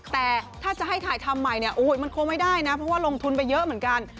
แต่ถ้าจะให้ถ่ายทำใหม่เนี่ยโอ้โหมันคงไม่ได้นะเพราะว่าลงทุนไปเยอะเหมือนกัน